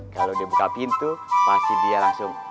kalau dia buka pintu pasti dia langsung